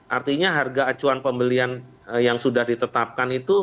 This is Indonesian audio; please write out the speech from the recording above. artinya harga acuan pembelian yang sudah ditetapkan itu